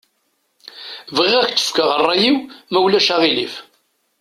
Bɣiɣ ad ak-d-fkeɣ ṛṛay-iw ma ulac aɣilif.